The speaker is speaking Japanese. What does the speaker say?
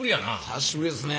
久しぶりですね